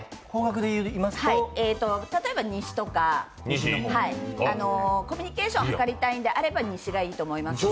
例えば西とか、コミュニケーションを図りたいのであれば西がいいと思いますし。